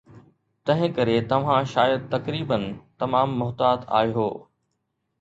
تنهنڪري توهان شايد تقريبا تمام محتاط آهيو